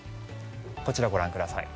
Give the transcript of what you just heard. こちら、ご覧ください。